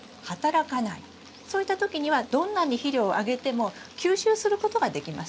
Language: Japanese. そういった時にはどんなに肥料をあげても吸収することができません。